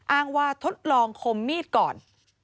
อ้างว่าทดลองคมมีดก่อน